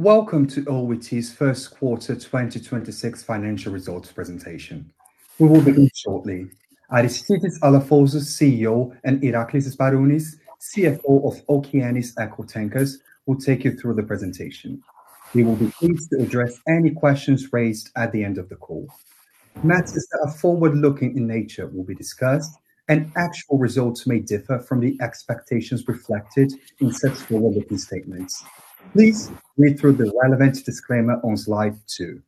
Welcome to OET's First Quarter 2026 Financial Results Presentation. We will begin shortly. Aristidis Alafouzos, CEO, and Iraklis Sbarounis, CFO of Okeanis Eco Tankers, will take you through the presentation. We will be pleased to address any questions raised at the end of the call. Matters that are forward-looking in nature will be discussed, and actual results may differ from the expectations reflected in such forward-looking statements. Please read through the relevant disclaimer on slide two.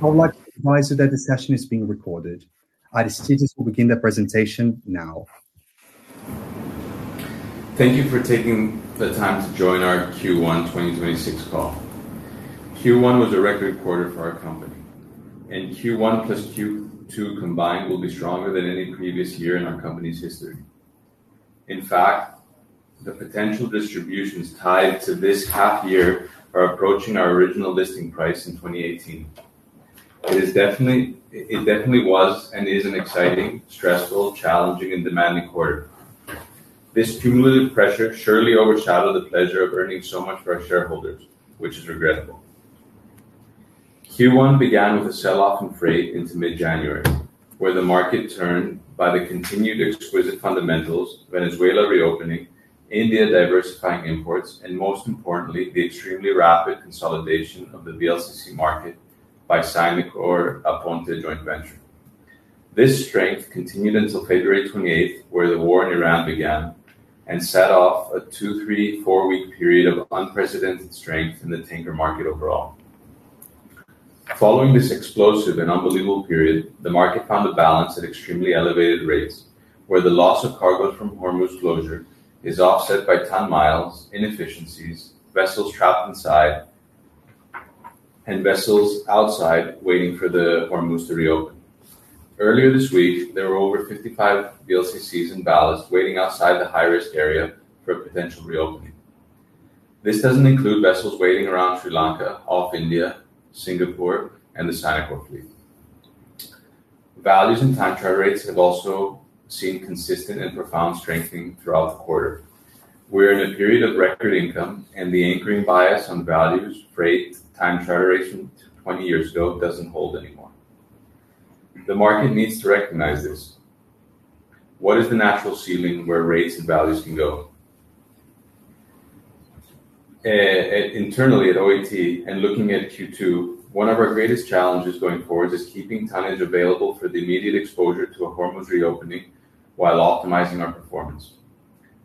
I would like to advise you that the session is being recorded. Aristidis will begin the presentation now. Thank you for taking the time to join our Q1 2026 call. Q1 was a record quarter for our company, and Q1 plus Q2 combined will be stronger than any previous year in our company's history. In fact, the potential distributions tied to this half year are approaching our original listing price in 2018. It definitely was and is an exciting, stressful, challenging, and demanding quarter. This cumulative pressure surely overshadowed the pleasure of earning so much for our shareholders, which is regrettable. Q1 began with a sell-off in freight into mid-January, where the market turned by the continued exquisite fundamentals, Venezuela reopening, India diversifying imports, and most importantly, the extremely rapid consolidation of the VLCC market by Sinokor Aponte Joint Venture. This strength continued until February 28th, where the war in Iran began and set off a two, three, four-week period of unprecedented strength in the tanker market overall. Following this explosive and unbelievable period, the market found a balance at extremely elevated rates, where the loss of cargoes from Hormuz closure is offset by ton-miles, inefficiencies, vessels trapped inside, and vessels outside waiting for the Hormuz to reopen. Earlier this week, there were over 55 VLCCs in ballast waiting outside the high-risk area for a potential reopening. This doesn't include vessels waiting around Sri Lanka, off India, Singapore, and the Sinokor fleet. Values and time charter rates have also seen consistent and profound strengthening throughout the quarter. We're in a period of record income. The anchoring bias on values, freight, time charteration to 20 years ago doesn't hold anymore. The market needs to recognize this. What is the natural ceiling where rates and values can go? Internally at OET and looking at Q2, one of our greatest challenges going forward is keeping tonnage available for the immediate exposure to a Hormuz reopening while optimizing our performance.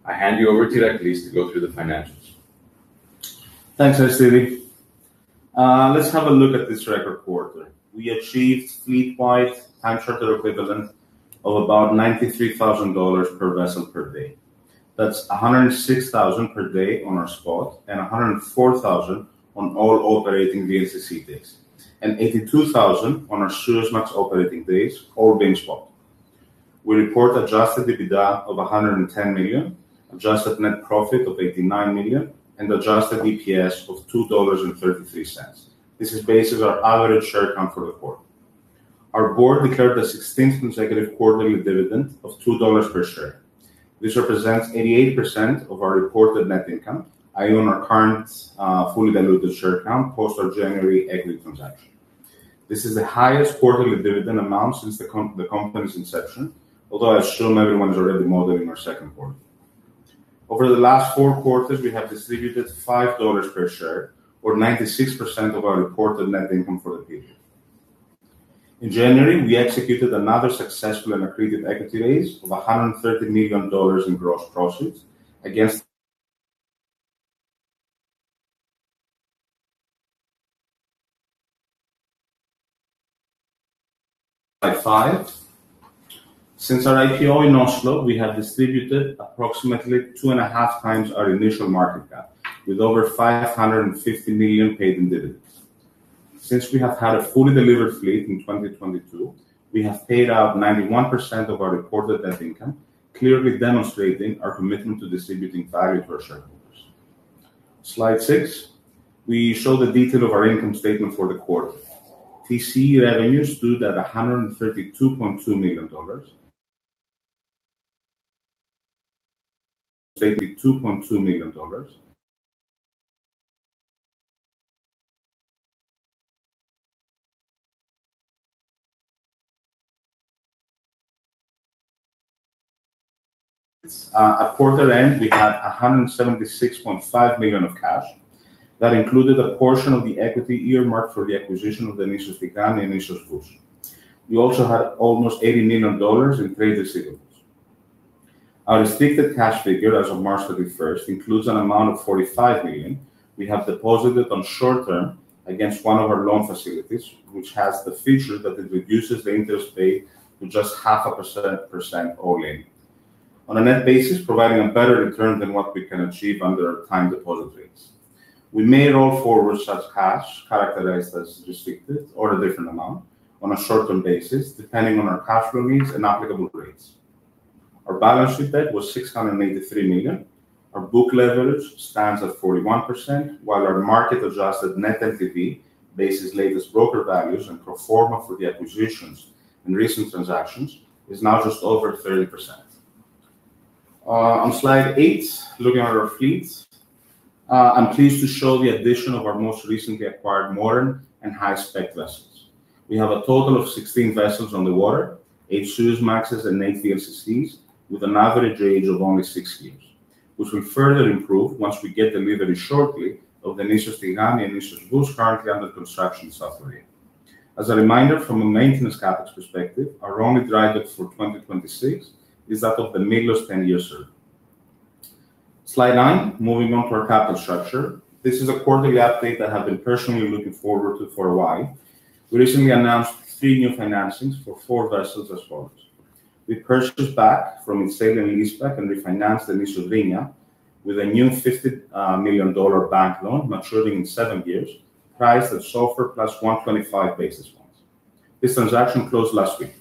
I hand you over to Iraklis to go through the financials. Thanks, Aristidis. Let's have a look at this record quarter. We achieved fleet-wide time charter equivalent of about $93,000 per vessel per day. That's $106,000 per day on our spot and $104,000 on all operating VLCC days, and $82,000 on our Suezmax operating days, all being spot. We report adjusted EBITDA of $110 million, adjusted net profit of $89 million, and adjusted EPS of $2.33. This is based on our average share count for the quarter. Our board declared the 16th consecutive quarterly dividend of $2 per share. This represents 88% of our reported net income, i.e., on our current, fully diluted share count post our January equity transaction. This is the highest quarterly dividend amount since the company's inception, although I assume everyone's already modeling our second quarter. Over the last four quarters, we have distributed $5 per share or 96% of our reported net income for the period. In January, we executed another successful and accretive equity raise of $130 million in gross proceeds. Since our IPO in Oslo, we have distributed approximately 2.5x our initial market cap, with over $550 million paid in dividends. Since we have had a fully delivered fleet in 2022, we have paid out 91% of our reported net income, clearly demonstrating our commitment to distributing value for our shareholders. Slide six, we show the detail of our income statement for the quarter. TC revenues stood at $132.2 million. $32.2 million. At quarter end, we had $176.5 million of cash. That included a portion of the equity earmarked for the acquisition of the Nissos Tigani and Nissos Vous. We also had almost $80 million in trade receivables. Our restricted cash figure as of March 31st includes an amount of $45 million we have deposited on short-term against one of our loan facilities, which has the feature that it reduces the interest paid to just 0.5% all in. On a net basis, providing a better return than what we can achieve under our time deposit rates. We may roll forward such cash characterized as restricted or a different amount on a short-term basis, depending on our cash flow needs and applicable rates. Our balance sheet debt was $683 million. Our book leverage stands at 41%, while our market-adjusted net NAV based on latest broker values and pro forma for the acquisitions and recent transactions is now just over 30%. On slide eight, looking at our fleets, I'm pleased to show the addition of our most recently acquired modern and high-spec vessels. We have a total of 16 vessels on the water, eight Suezmaxes and eight VLCCs, with an average age of only six years, which will further improve once we get delivery shortly of the Nissos Tigani and Nissos Vous currently under construction in South Korea. As a reminder, from a maintenance CapEx perspective, our only drydock for 2026 is that of the Milos 10-year survey. Slide nine, moving on to our capital structure. This is a quarterly update that I have been personally looking forward to for a while. We recently announced three new financings for four vessels as follows. We purchased back from its sale and leaseback and refinanced the Nissos Rhenia with a new $50 million bank loan maturing in seven years, priced at SOFR plus 125 basis points. This transaction closed last week.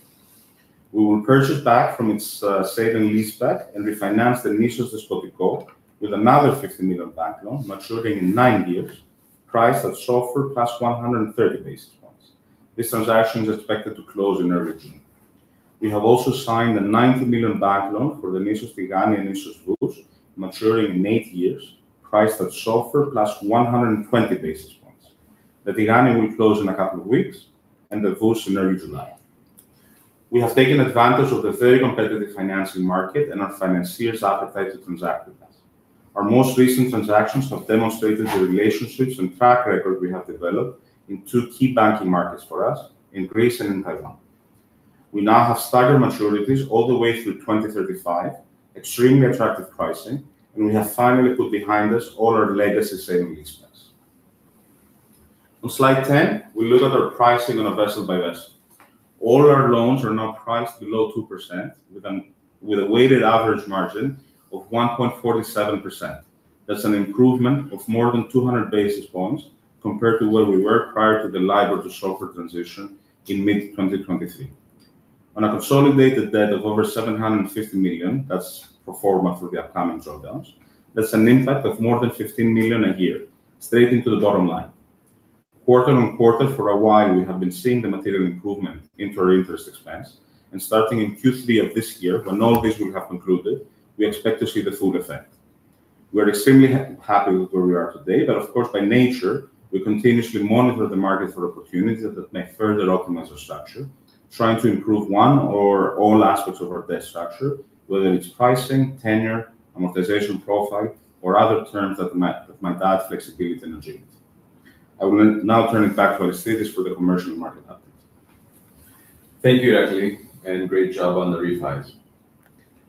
We will purchase back from its sale and leaseback and refinance the Nissos Despotiko with another $50 million bank loan maturing in nine years, priced at SOFR plus 130 basis points. This transaction is expected to close in early June. We have also signed a $90 million bank loan for the Nissos Tigani and Nissos Vous maturing in eight years, priced at SOFR plus 120 basis points. The Tigani will close in couple weeks, and the Vous in early July. We have taken advantage of the very competitive financing market and our financiers' appetite to transact with us. Our most recent transactions have demonstrated the relationships and track record we have developed in two key banking markets for us, in Greece and in Taiwan. We now have staggered maturities all the way through 2035, extremely attractive pricing, and we have finally put behind us all our legacy sale and leasebacks. On slide 10, we look at our pricing on a vessel by vessel. All our loans are now priced below 2% with a weighted average margin of 1.47%. That's an improvement of more than 200 basis points compared to where we were prior to the LIBOR to SOFR transition in mid-2023. On a consolidated debt of over $750 million, that's pro forma for the upcoming drawdowns, that's an impact of more than $15 million a year straight into the bottom line. quarter-on-quarter for a while, we have been seeing the material improvement into our interest expense, and starting in Q3 of this year, when all this will have concluded, we expect to see the full effect. We are extremely happy with where we are today, but of course, by nature, we continuously monitor the market for opportunities that may further optimize our structure, trying to improve one or all aspects of our debt structure, whether it's pricing, tenure, amortization profile, or other terms that might add flexibility and agility. I will now turn it back to Aristidis for the commercial and market update. Thank you, Iraklis, and great job on the refis.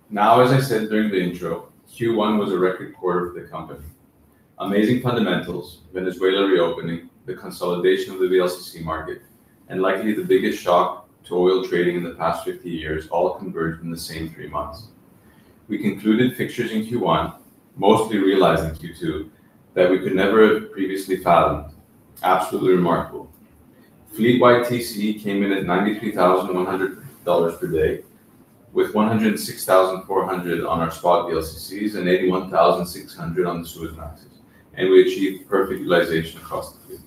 Now, as I said during the intro, Q1 was a record quarter for the company. Amazing fundamentals, Venezuela reopening, the consolidation of the VLCC market, and likely the biggest shock to oil trading in the past 50 years all converged in the same three months. We concluded fixings in Q1, mostly realized in Q2, that we could never have previously fathomed. Absolutely remarkable. Fleet-wide TCE came in at $93,100 per day, with $106,400 on our spot VLCCs and $81,600 on the Suezmaxes, and we achieved perfect utilization across the fleet.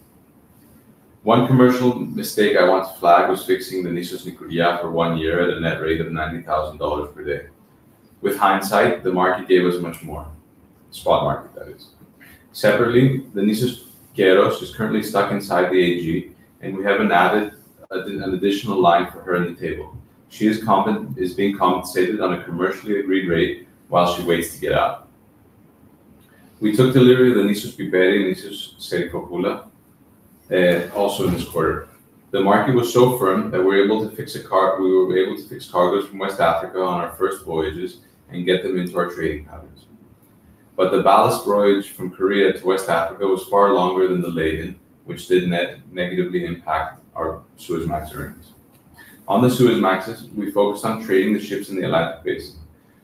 One commercial mistake I want to flag was fixing the Nissos Nikouria for one year at a net rate of $90,000 per day. With hindsight, the market gave us much more. Spot market, that is. Separately, the Nissos Keros is currently stuck inside the AG, we have an additional line for her on the table. She is being compensated on a commercially agreed rate while she waits to get out. We took delivery of the Nissos Piperi and Nissos Serifopoula also in this quarter. The market was so firm that we were able to fix cargoes from West Africa on our first voyages and get them into our trading patterns. The ballast voyage from Korea to West Africa was far longer than the laden, which did net-negatively impact our Suezmax earnings. On the Suezmaxes, we focused on trading the ships in the Atlantic Basin.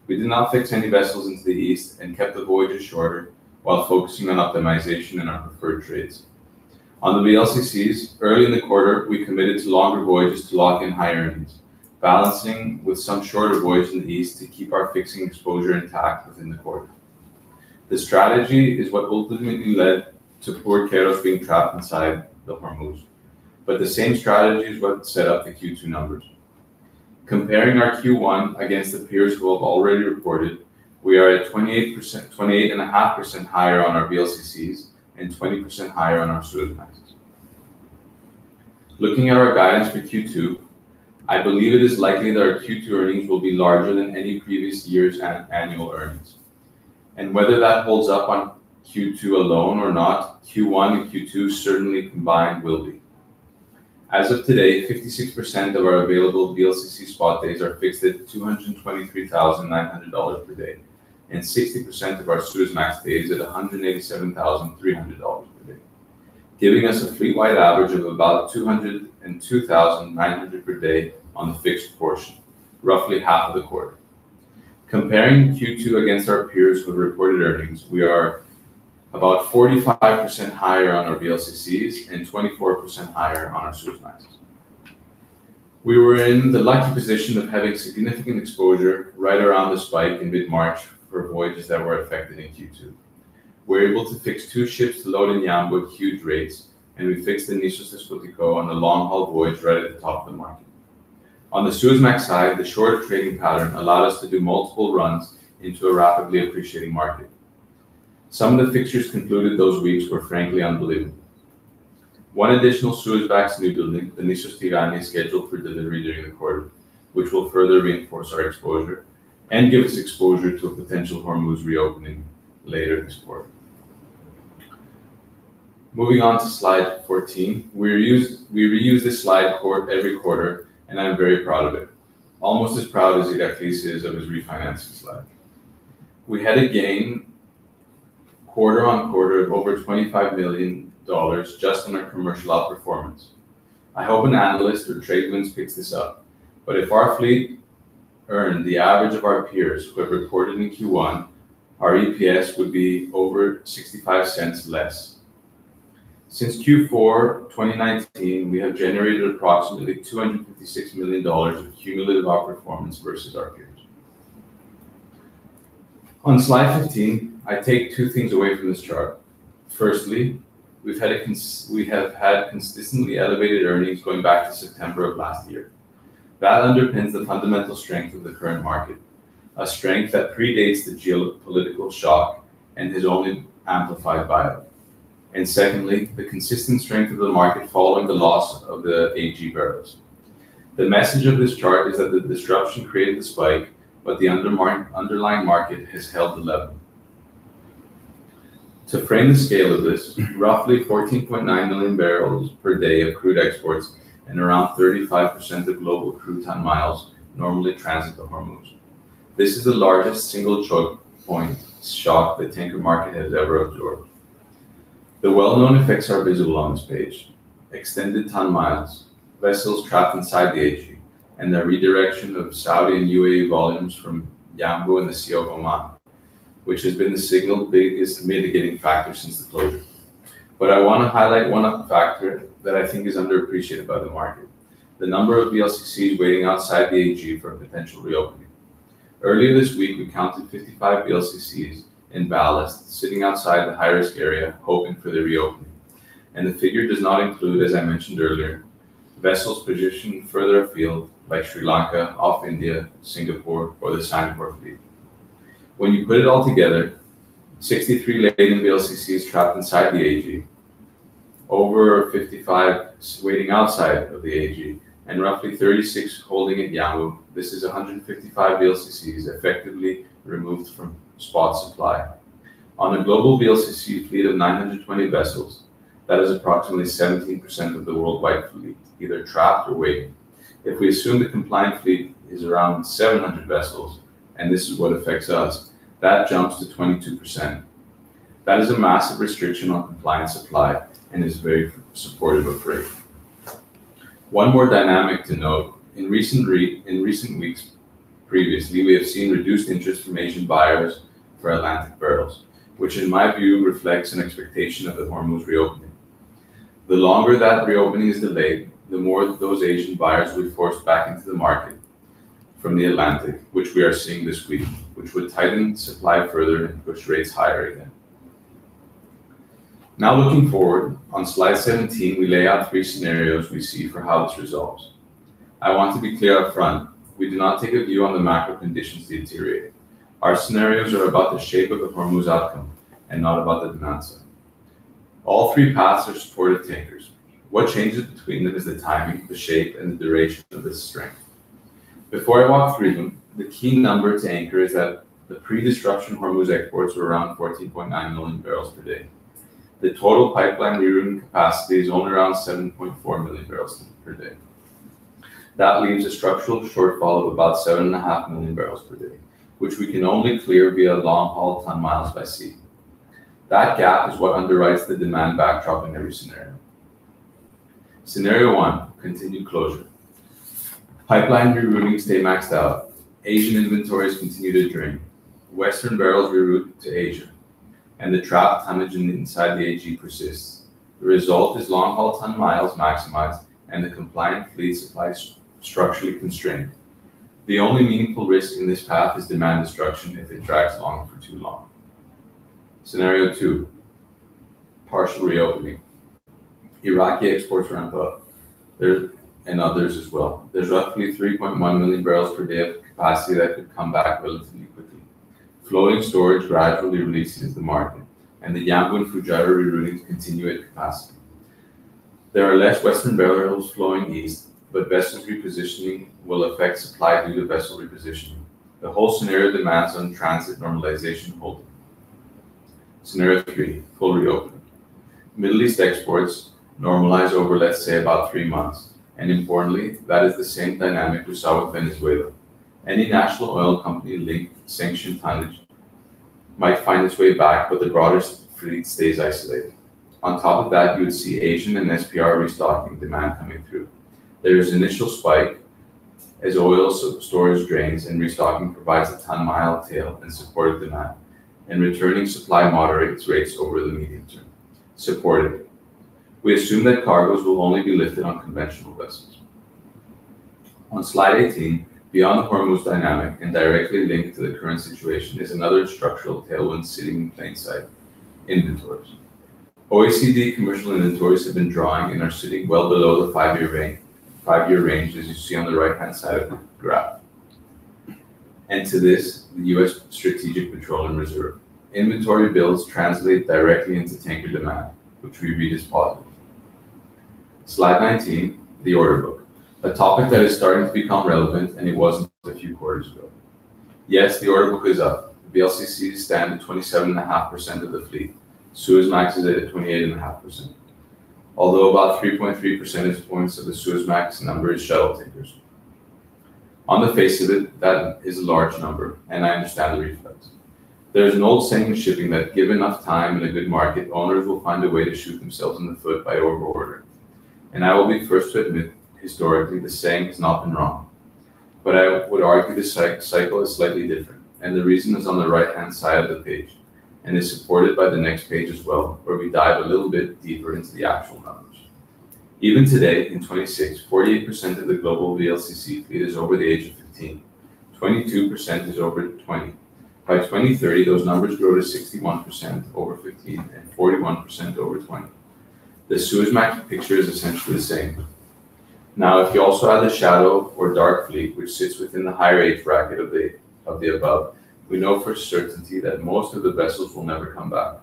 We did not fix any vessels into the East and kept the voyages shorter while focusing on optimization in our preferred trades. On the VLCCs, early in the quarter, we committed to longer voyages to lock in higher earnings, balancing with some shorter voyages in the east to keep our fixing exposure intact within the quarter. The strategy is what ultimately led to poor Keros being trapped inside the Hormuz, but the same strategy is what set up the Q2 numbers. Comparing our Q1 against the peers who have already reported, we are at 28%, 28.5% higher on our VLCCs and 20% higher on our Suezmaxes. Looking at our guidance for Q2, I believe it is likely that our Q2 earnings will be larger than any previous year's annual earnings. Whether that holds up on Q2 alone or not, Q1 and Q2 certainly combined will be. As of today, 56% of our available VLCC spot days are fixed at $223,900 per day, and 60% of our Suezmax days at $187,300 per day, giving us a fleet-wide average of about $202,900 per day on the fixed portion, roughly half of the quarter. Comparing Q2 against our peers who have reported earnings, we are about 45% higher on our VLCCs and 24% higher on our Suezmaxes. We were in the lucky position of having significant exposure right around the spike in mid-March for voyages that were affected in Q2. We're able to fix two ships to load in Yanbu at huge rates, and we fixed the Nissos Despotiko on a long-haul voyage right at the top of the market. On the Suezmax side, the shorter trading pattern allowed us to do multiple runs into a rapidly appreciating market. Some of the fixtures concluded those weeks were frankly unbelievable. One additional Suezmax new building, the Nissos Tigani, is scheduled for delivery during the quarter, which will further reinforce our exposure and give us exposure to a potential Hormuz reopening later this quarter. Moving on to Slide 14. We reuse this slide every quarter, and I'm very proud of it, almost as proud as Iraklis is of his refinancing slide. We had a gain quarter-over-quarter of over $25 million just on our commercial outperformance. I hope an analyst or TradeWinds picks this up. If our fleet earned the average of our peers who have reported in Q1, our EPS would be over $0.65 less. Since Q4 2019, we have generated approximately $256 million of cumulative outperformance versus our peers. On Slide 15, I take two things away from this chart. Firstly, we've had consistently elevated earnings going back to September of last year. That underpins the fundamental strength of the current market, a strength that predates the geopolitical shock and is only amplified by it. Secondly, the consistent strength of the market following the loss of the AG bbl. The message of this chart is that the disruption created the spike, but the underlying market has held the level. To frame the scale of this, roughly 14.9 MMbpd of crude exports and around 35% of global crude ton-miles normally transit the Hormuz. This is the largest single choke point shock the tanker market has ever absorbed. The well-known effects are visible on this page, extended ton-miles, vessels trapped inside the AG, and the redirection of Saudi and UAE volumes from Yanbu and the Sea of Oman, which has been the single biggest mitigating factor since the closure. I wanna highlight one other factor that I think is underappreciated by the market, the number of VLCCs waiting outside the AG for a potential reopening. Earlier this week, we counted 55 VLCCs in ballast sitting outside the high-risk area hoping for the reopening. The figure does not include, as I mentioned earlier, vessels positioned further afield by Sri Lanka, off India, Singapore or the Sinokor fleet. When you put it all together, 63 laden VLCCs trapped inside the AG, over 55 waiting outside of the AG, and roughly 36 holding at Yanbu. This is 155 VLCCs effectively removed from spot supply. On a global VLCC fleet of 920 vessels, that is approximately 17% of the worldwide fleet either trapped or waiting. If we assume the compliant fleet is around 700 vessels, and this is what affects us, that jumps to 22%. That is a massive restriction on compliant supply and is very supportive of rate. One more dynamic to note. In recent weeks previously, we have seen reduced interest from Asian buyers for Atlantic bbl, which in my view reflects an expectation of the Hormuz reopening. The longer that reopening is delayed, the more those Asian buyers will be forced back into the market from the Atlantic, which we are seeing this week, which would tighten supply further and push rates higher again. Looking forward, on Slide 17, we lay out three scenarios we see for how this resolves. I want to be clear upfront, we do not take a view on the macro conditions to deteriorate. Our scenarios are about the shape of the Hormuz outcome and not about the demand side. All three paths are supportive to tankers. What changes between them is the timing, the shape, and the duration of this strength. Before I walk through them, the key number to anchor is that the pre-destruction Hormuz exports were around 14.9 MMbpd. The total pipeline rerouting capacity is only around 7.4 MMbpd. That leaves a structural shortfall of about 7.5 MMbpd, which we can only clear via long-haul ton-mile by sea. That gap is what underwrites the demand backdrop in every scenario. Scenario one, continued closure. Pipeline reroutings stay maxed out. Asian inventories continue to drain. Western barrels reroute to Asia. The trapped tonnage inside the AG persists. The result is long-haul ton miles maximized and the compliant fleet supply structurally constrained. The only meaningful risk in this path is demand destruction if it drags along for too long. Scenario two, partial reopening. Iraqi exports ramp up. There's roughly 3.1 MMbpd of capacity that could come back relatively quickly. Floating storage gradually releases the market. The Yanbu and Fujairah reroutings continue at capacity. There are less Western barrels flowing east. Vessels repositioning will affect supply due to vessel repositioning. The whole scenario depends on transit normalization holding. Scenario three, full reopening. Middle East exports normalize over, let's say, about 3 months. Importantly, that is the same dynamic we saw with Venezuela. Any national oil company-linked sanctioned tonnage might find its way back, but the broader fleet stays isolated. On top of that, you would see Asian and SPR restocking demand coming through. There is initial spike as oil storage drains and restocking provides a ton-mile tail and supportive demand, and returning supply moderates rates over the medium term, supportive. We assume that cargoes will only be lifted on conventional vessels. On slide 18, beyond the Hormuz dynamic and directly linked to the current situation is another structural tailwind sitting in plain sight, inventories. OECD commercial inventories have been drawing and are sitting well below the five-year range, as you see on the right-hand side of the graph. To this, the U.S. Strategic Petroleum Reserve. Inventory builds translate directly into tanker demand, which we read as positive. Slide 19, the order book, a topic that is starting to become relevant. It wasn't a few quarters ago. Yes, the order book is up. VLCCs stand at 27.5% of the fleet. Suezmaxes are at 28.5%. About 3.3 percentage points of the Suezmax number is shuttle tankers. On the face of it, that is a large number. I understand the reflex. There is an old saying in shipping that given enough time in a good market, owners will find a way to shoot themselves in the foot by over-ordering. I will be first to admit, historically, the saying has not been wrong. I would argue this cycle is slightly different. The reason is on the right-hand side of the page. It is supported by the next page as well, where we dive a little bit deeper into the actual numbers. Even today, in 2026, 48% of the global VLCC fleet is over the age of 15, 22% is over 20. By 2030, those numbers grow to 61% over 15 and 41% over 20. The Suezmax picture is essentially the same. If you also add the shadow or dark fleet, which sits within the high rate bracket of the, of the above, we know for certainty that most of the vessels will never come back.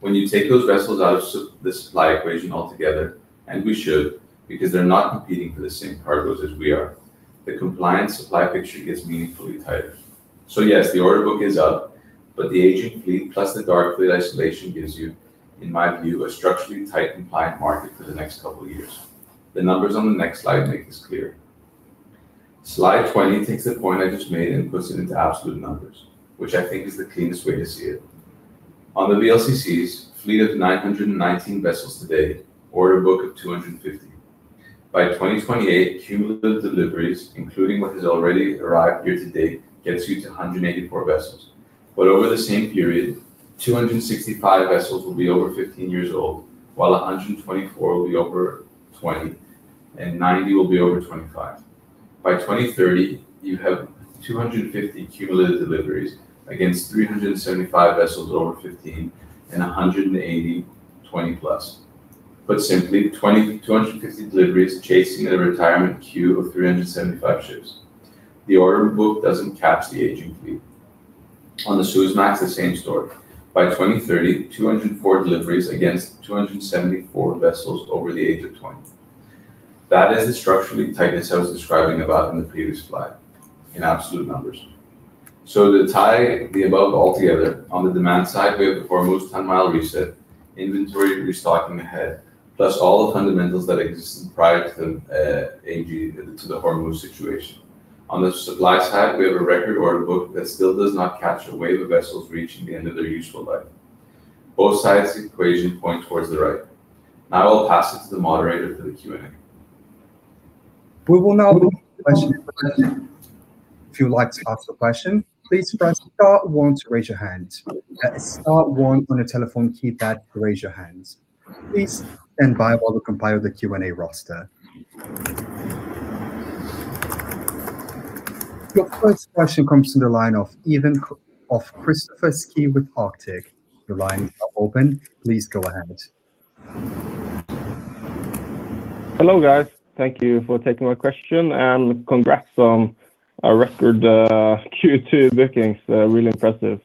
When you take those vessels out of the supply equation altogether, and we should, because they're not competing for the same cargoes as we are, the compliance supply picture gets meaningfully tighter. Yes, the order book is up, but the aging fleet plus the dark fleet isolation gives you, in my view, a structurally tight compliant market for the next couple of years. The numbers on the next slide make this clear. Slide 20 takes the point I just made and puts it into absolute numbers, which I think is the cleanest way to see it. On the VLCCs, fleet of 919 vessels today, order book of 250. By 2028, cumulative deliveries, including what has already arrived year to date, gets you to 184 vessels. Over the same period, 265 vessels will be over 15 years old, while 124 will be over 20 and 90 will be over 25. By 2030, you have 250 cumulative deliveries against 375 vessels over 15 and 180 20+. Put simply, 250 deliveries chasing a retirement queue of 375 ships. The order book doesn't cap the aging fleet. On the Suezmax, the same story. By 2030, 204 deliveries against 274 vessels over the age of 20. That is the structural tightness I was describing about in the previous slide in absolute numbers. To tie the above all together, on the demand side, we have the Hormuz ton-mile reset, inventory restocking ahead, plus all the fundamentals that existed prior to the Hormuz situation. On the supply side, we have a record order book that still does not capture a wave of vessels reaching the end of their useful life. Both sides of the equation point towards the right. I'll pass it to the moderator for the Q&A. We will now take questions. If you would like to ask a question, please press star one to raise your hand. That is star one on a telephone keypad to raise your hands. Please stand by while we compile the Q&A roster. Your first question comes from the line of Kristoffer Skeie with Arctic Securities. Your line is now open. Please go ahead. Hello, guys. Thank you for taking my question and congrats on a record Q2 bookings. Really impressive.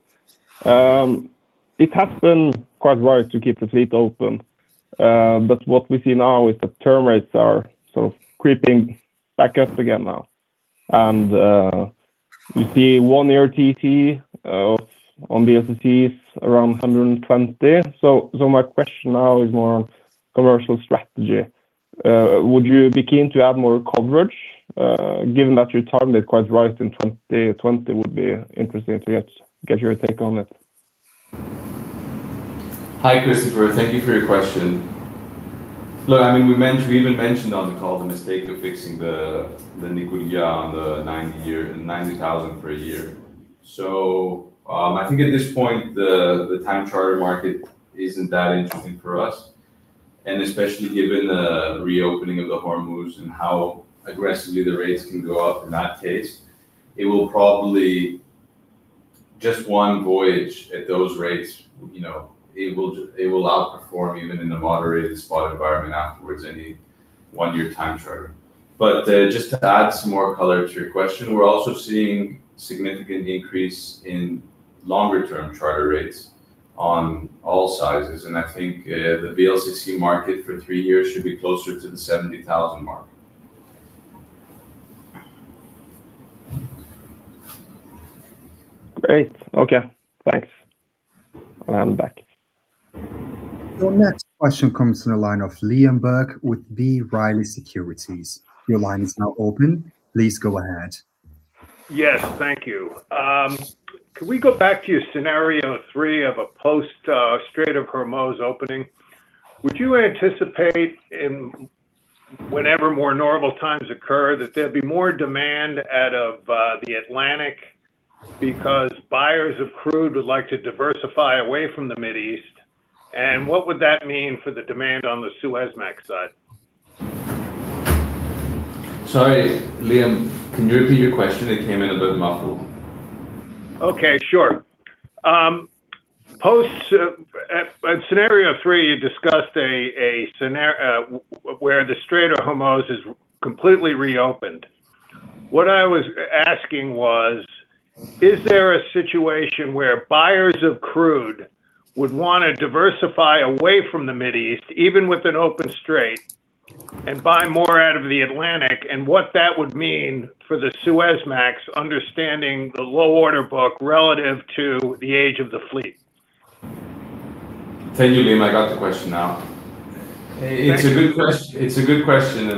It has been quite wise to keep the fleet open, what we see now is the term rates are sort of creeping back up again now. We see one year TC on VLCCs around $120. My question now is more on commercial strategy. Would you be keen to have more coverage, given that you targeted quite right in 2020 would be interesting to get your take on it? Hi, Kristoffer. Thank you for your question. Look, I mean, we even mentioned on the call the mistake of fixing the Nissos Nikouria on the $90,000 per year. I think at this point, the time charter market isn't that interesting for us, and especially given the reopening of the Hormuz and how aggressively the rates can go up in that case, it will probably just one voyage at those rates, you know, it will outperform even in a moderated spot environment afterwards, any one year time charter. Just to add some more color to your question, we're also seeing significant increase in longer-term charter rates on all sizes, and I think the VLCC market for three years should be closer to the $70,000 mark. Great. Okay. Thanks. I am back. The next question comes in the line of Liam Burke with B. Riley Securities. Your line is now open. Please go ahead. Yes. Thank you. Can we go back to your scenario three of a post, Strait of Hormuz opening? Would you anticipate in, whenever more normal times occur, that there'd be more demand out of the Atlantic because buyers of crude would like to diversify away from the Mid East? What would that mean for the demand on the Suezmax side? Sorry, Liam, can you repeat your question? It came in a bit muffled. Okay, sure. Post at scenario three you discussed a scenario where the Strait of Hormuz is completely reopened. What I was asking was, is there a situation where buyers of crude would wanna diversify away from the Mid East, even with an open strait, and buy more out of the Atlantic, and what that would mean for the Suezmax understanding the low order book relative to the age of the fleet? Thank you, Liam. I got the question now. Thank you. It's a good question.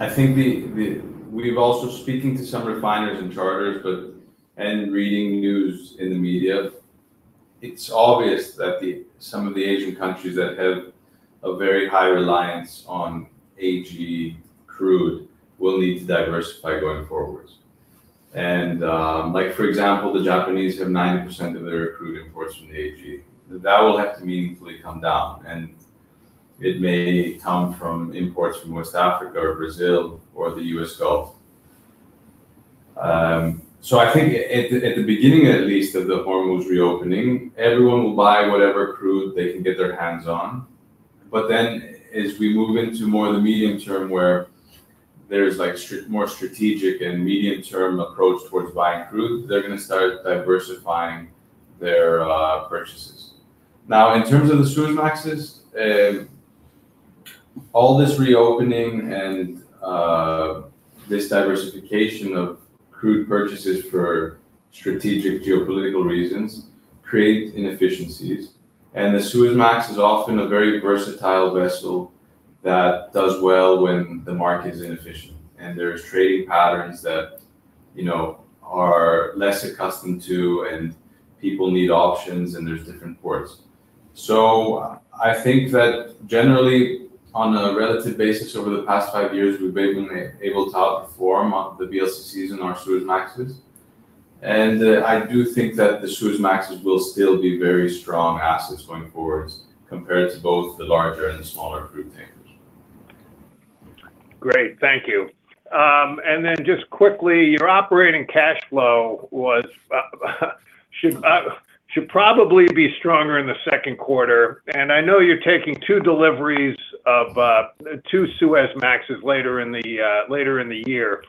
I think the We've also speaking to some refiners and charters, and reading news in the media, it's obvious that some of the Asian countries that have a very high reliance on AG crude will need to diversify going forwards. Like for example, the Japanese have 90% of their crude imports from AG. That will have to meaningfully come down, and it may come from imports from West Africa or Brazil or the U.S. Gulf. I think at the beginning at least of the Hormuz reopening, everyone will buy whatever crude they can get their hands on. As we move into more the medium term where there's like more strategic and medium term approach towards buying crude, they're gonna start diversifying their purchases. In terms of the Suezmaxes, all this reopening and this diversification of crude purchases for strategic geopolitical reasons create inefficiencies. The Suezmax is often a very versatile vessel that does well when the market is inefficient. There's trading patterns that, you know, are less accustomed to and people need options and there's different ports. I think that generally on a relative basis over the past five years, we've been able to outperform on the VLCCs and our Suezmaxes. I do think that the Suezmaxes will still be very strong assets going forwards compared to both the larger and smaller crude tankers. Great, thank you. Just quickly, your operating cash flow should probably be stronger in the second quarter. I know you're taking two deliveries of two Suezmaxes later in the year.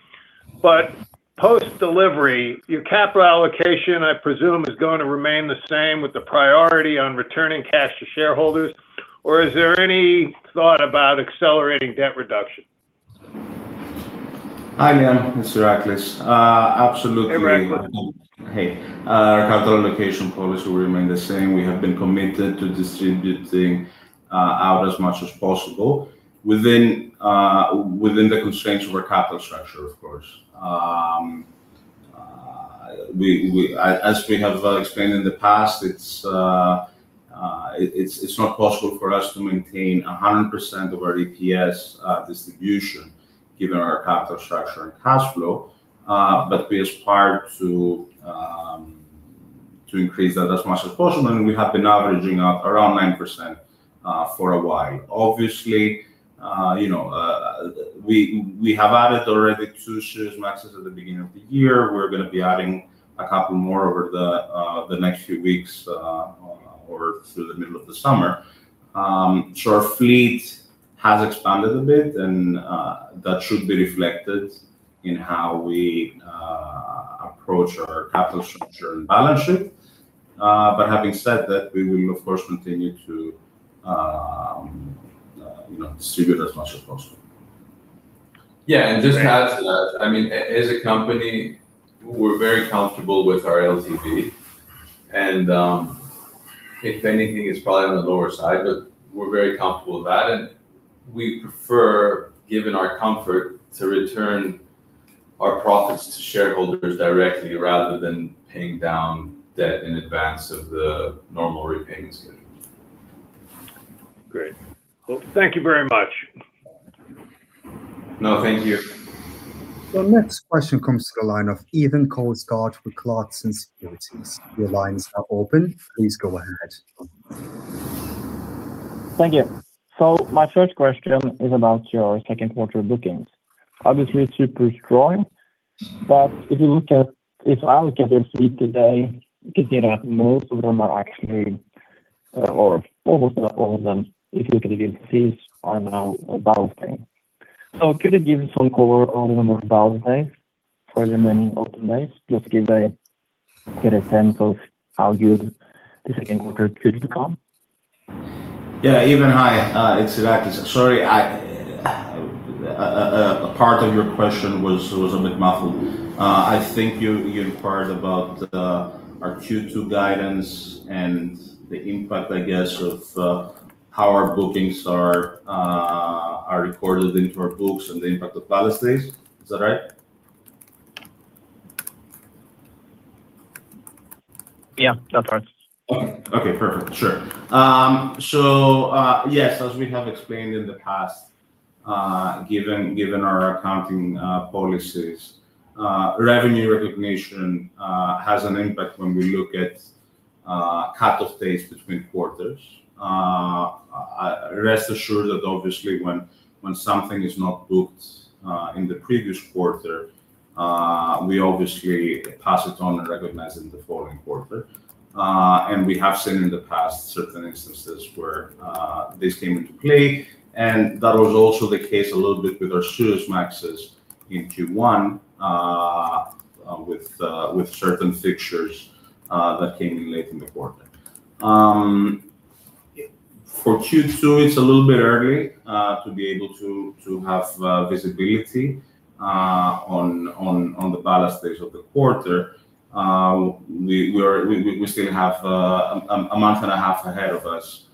Post delivery, your capital allocation I presume is going to remain the same with the priority on returning cash to shareholders, or is there any thought about accelerating debt reduction? Hi Liam, it's Iraklis. Hey, Iraklis. Hey. Our capital allocation policy will remain the same. We have been committed to distributing out as much as possible within the constraints of our capital structure, of course. As we have explained in the past, it's not possible for us to maintain 100% of our EPS distribution given our capital structure and cash flow. We aspire to increase that as much as possible, and we have been averaging around 9% for a while. Obviously, you know, we have added already two Suezmaxes at the beginning of the year. We're gonna be adding a couple more over the next few weeks or through the middle of the summer. Our fleet has expanded a bit and that should be reflected in how we approach our capital structure and balance sheet. Having said that, we will of course continue to, you know, distribute as much as possible. Yeah. Just to add to that, I mean, as a company, we're very comfortable with our LTV and, if anything is probably on the lower side, but we're very comfortable with that. We prefer, given our comfort, to return our profits to shareholders directly rather than paying down debt in advance of the normal repayment schedule. Great. Well, thank you very much. No, thank you. The next question comes to the line of Even Kolsgaard with Clarksons Securities. Your lines are open. Please go ahead. Thank you. My first question is about your second quarter bookings. Obviously, super strong, but if you look at this. Yeah, Even, hi. It's Iraklis. Sorry, I, a part of your question was a bit muffled. I think you inquired about our Q2 guidance and the impact, I guess, of how our bookings are recorded into our books and the impact of ballast days. Is that right? Yeah, that's all right. Okay. Okay, perfect. Sure. Yes, as we have explained in the past, given our accounting policies, revenue recognition has an impact when we look at cut-off dates between quarters. Rest assured that obviously when something is not booked in the previous quarter, we obviously pass it on and recognize it in the following quarter. We have seen in the past certain instances where this came into play, and that was also the case a little bit with our Suezmaxes in Q1, with certain fixtures that came in late in the quarter. For Q2, it's a little bit early to be able to have visibility on the ballast days of the quarter. We still have a month and a half ahead of us.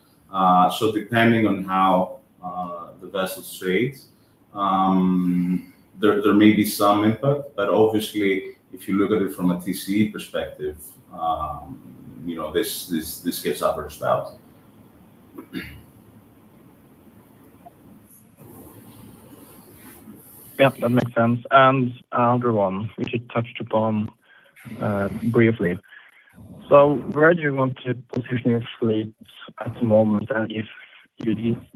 Depending on how the vessel trades, you know, there may be some input, but obviously if you look at it from a TCE perspective, you know, this gets averaged out. Yeah, that makes sense. Another one, which you touched upon, briefly. Where do you want to position your fleet at the moment? If you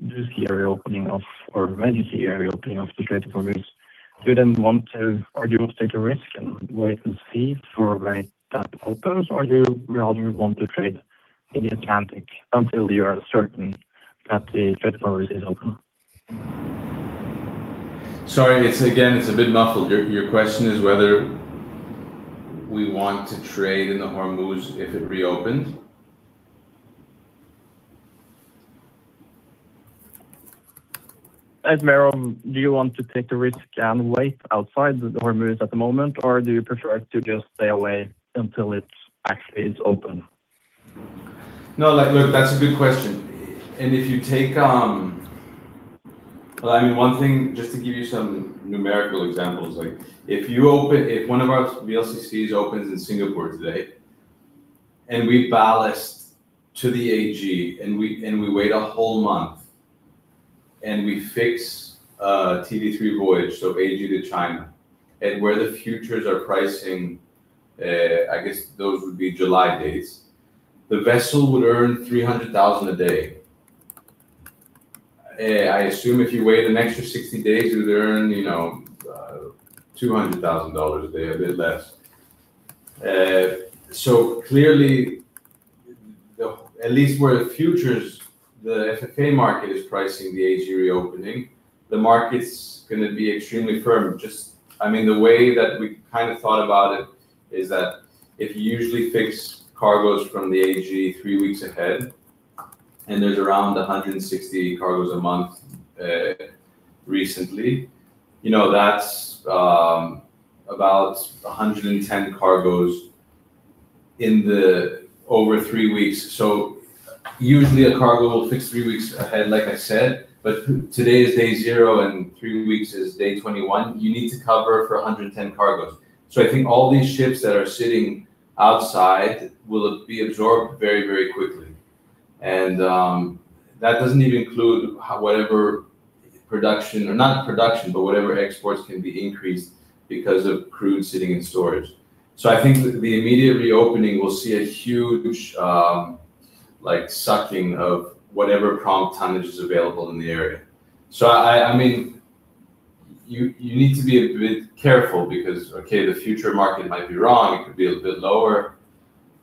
do see a reopening of or when you see a reopening of the Strait of Hormuz, do you then want to or do you want to take a risk and wait and see for when that opens, or do you rather want to trade in the Atlantic until you are certain that the Strait of Hormuz is open? Sorry. It's, again, it's a bit muffled. Your question is whether we want to trade in the Hormuz if it reopened? As Hormuz, do you want to take the risk and wait outside the Hormuz at the moment, or do you prefer to just stay away until it actually is open? No, like, look, that's a good question. If you take, Well, I mean, one thing, just to give you some numerical examples, like if you open, if one of our VLCCs opens in Singapore today and we ballast to the AG and we, and we wait a whole month and we fix, TD3 voyage, so AG to China, and where the futures are pricing, I guess those would be July dates, the vessel would earn $300,000 a day. I assume if you wait an extra 60 days, you'd earn, you know, $200,000 a day, a bit less. Clearly, the, at least where the futures, the FFA market is pricing the AG reopening, the market's gonna be extremely firm. I mean, the way that we kind of thought about it is that if you usually fix cargoes from the AG three weeks ahead. There's around 160 cargoes a month. Recently, you know, that's about 110 cargoes in the over three weeks. Usually a cargo will fix three weeks ahead, like I said. Today is day 0, and three weeks is day 21. You need to cover for 110 cargoes. I think all these ships that are sitting outside will be absorbed very, very quickly. That doesn't even include how whatever production, or not production, but whatever exports can be increased because of crude sitting in storage. I think the immediate reopening will see a huge, like sucking of whatever prompt tonnage is available in the area. I mean, you need to be a bit careful because, okay, the future market might be wrong, it could be a little bit lower,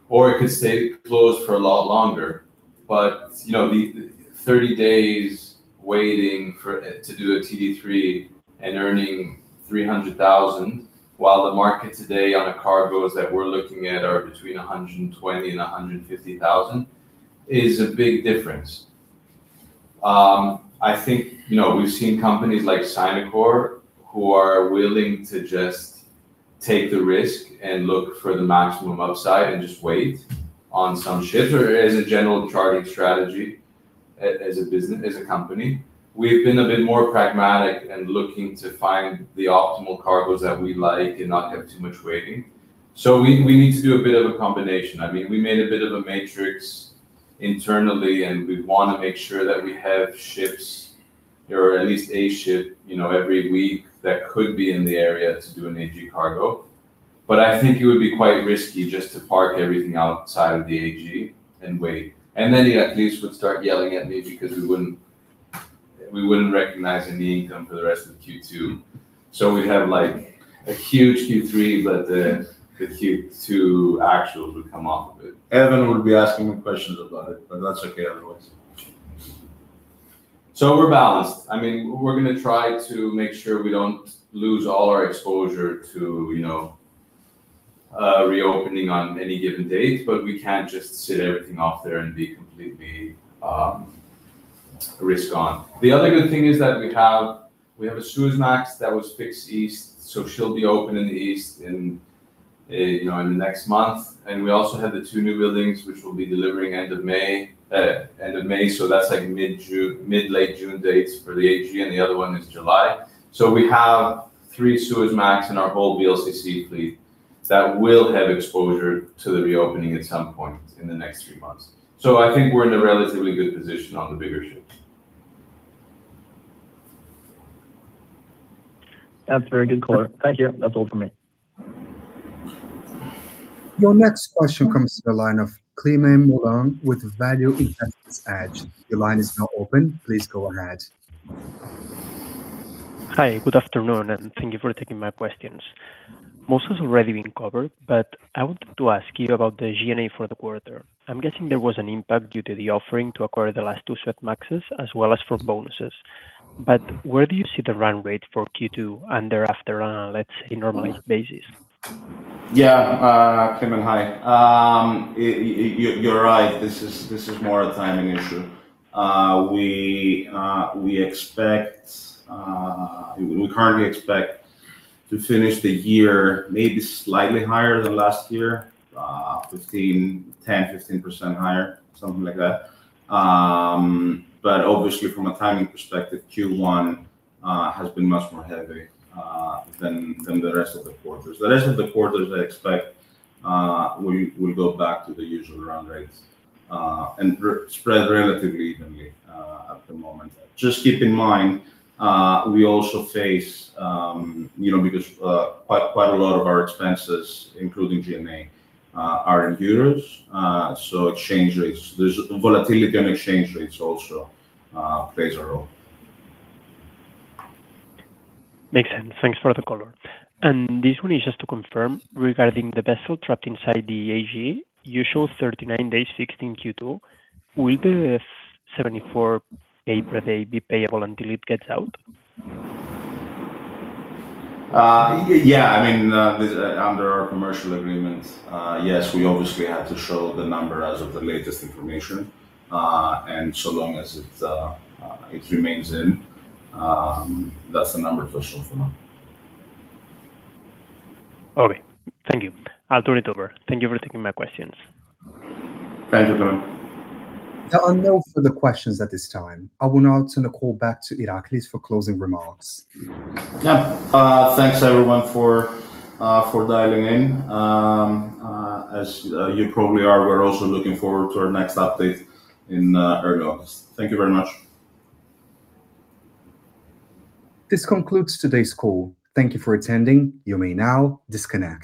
or it could stay closed for a lot longer. You know, the 30 days waiting for, to do a TD3 and earning $300,000, while the market today on a cargoes that we're looking at are between $120,000 and $150,000 is a big difference. I think, you know, we've seen companies like Sinokor who are willing to just take the risk and look for the maximum upside and just wait on some ships, or as a general chartering strategy, as a business, as a company. We've been a bit more pragmatic and looking to find the optimal cargoes that we like and not have too much waiting. We need to do a bit of a combination. I mean, we made a bit of a matrix internally, and we wanna make sure that we have ships or at least a ship, you know, every week that could be in the area to do an AG cargo. I think it would be quite risky just to park everything outside of the AG and wait. The analysts would start yelling at me because we wouldn't recognize any income for the rest of the Q2. We'd have like a huge Q3, but the Q2 actuals would come off of it. Even would be asking me questions about it, but that's okay otherwise. We're balanced. I mean, we're gonna try to make sure we don't lose all our exposure to, you know, reopening on any given date, but we can't just sit everything off there and be completely risk on. The other good thing is that we have a Suezmax that was fixed east, so she'll be open in the east in, you know, in the next month. We also have the two newbuildings which will be delivering end of May. That's like mid-June, mid, late June dates for the AG, and the other one is July. We have three Suezmax in our whole VLCC fleet that will have exposure to the reopening at some point in the next three months. I think we're in a relatively good position on the bigger ships. That's very good color. Thank you. That's all for me. Your next question comes to the line of Climent Molins with Value Investor's Edge. Your line is now open. Please go ahead. Hi, good afternoon. Thank you for taking my questions. Most has already been covered. I wanted to ask you about the G&A for the quarter. I'm guessing there was an impact due to the offering to acquire the last two Suezmaxes as well as for bonuses. Where do you see the run rate for Q2 and thereafter on a, let's say, normalized basis? Climent, hi. You're right. This is more a timing issue. We currently expect to finish the year maybe slightly higher than last year, 10-15% higher, something like that. Obviously from a timing perspective, Q1 has been much more heavy than the rest of the quarters. The rest of the quarters, I expect we will go back to the usual run rates and spread relatively evenly at the moment. Just keep in mind, we also face, you know, because quite a lot of our expenses, including G&A, are in euros, so exchange rates. There's volatility on exchange rates also plays a role. Makes sense. Thanks for the color. This one is just to confirm regarding the vessel trapped inside the AG. You show 39 days fixed in Q2. Will the $74 per day be payable until it gets out? Yeah. I mean, this, under our commercial agreement, yes, we obviously have to show the number as of the latest information. So long as it remains in, that's the number to show for now. Okay. Thank you. I'll turn it over. Thank you for taking my questions. Thank you, Climent. There are no further questions at this time. I will now turn the call back to Iraklis for closing remarks. Yeah. Thanks everyone for dialing in. As you probably are, we're also looking forward to our next update in early August. Thank you very much. This concludes today's call. Thank you for attending. You may now disconnect.